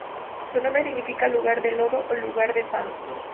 Su nombre significa "Lugar de lodo o lugar de fango".